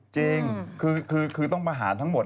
จริงคือต้องประหารทั้งหมด